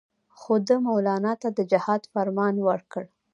خو ده مولنا ته د جهاد فرمان ورکړ.